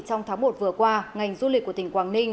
trong tháng một vừa qua ngành du lịch của tỉnh quảng ninh